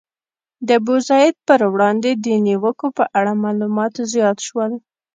د ابوزید پر وړاندې د نیوکو په اړه معلومات زیات شول.